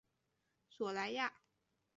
索莱亚。